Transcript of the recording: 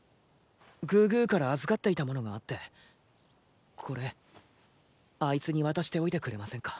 グーグーから預かっていたものがあってこれあいつに渡しておいてくれませんか？